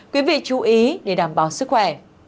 quý vị chú ý để đảm bảo sức khỏe